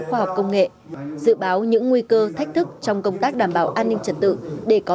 khoa học công nghệ dự báo những nguy cơ thách thức trong công tác đảm bảo an ninh trật tự để có